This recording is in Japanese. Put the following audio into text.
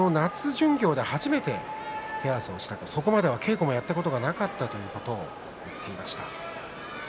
巡業で初めて手合わせをしたそこまでは稽古もやったことなかったということを言っていました。